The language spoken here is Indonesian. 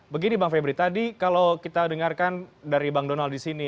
begini bang febri tadi kalau kita dengarkan dari bang donald di sini